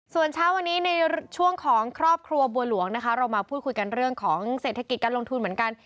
ส่วนเช้าวันนี้ในช่วงของครอบครัวบัวหลวงนะคะเรามาพูดคุยกันเรื่องของเศรษฐกิจการลงทุนเหมือนกัน